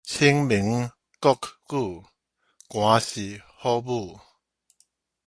清明穀雨，寒死虎母